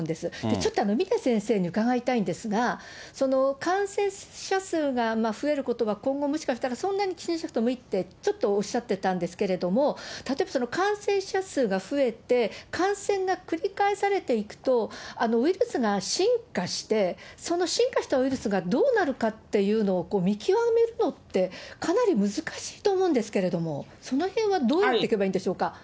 ちょっと峰先生に伺いたいんですが、感染者数が増えることは今後、もしかしたらそんなに気にしなくてもいいってちょっとおっしゃってたんですけれども、例えばその、感染者数が増えて、感染が繰り返されていくと、ウイルスが進化して、その進化したウイルスがどうなるかっていうのを見極めるのって、かなり難しいと思うんですけれども、そのへんはどうやっていけばいいんでしょうか。